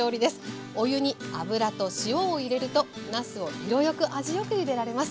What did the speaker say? お湯に油と塩を入れるとなすを色よく味よくゆでられます。